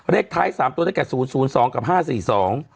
เลขท้ายสามตัวตั้งแต่ศูนย์ศูนย์สองกับห้าสี่สอง